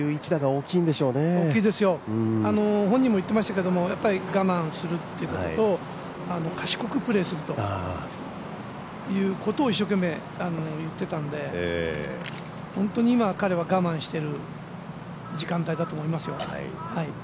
大きいですよ、本人も言ってましたけどやっぱり我慢するっていうことと賢くプレーすることを一生懸命、言ってたんで本当に今彼は我慢してる時間帯だと思いますよ。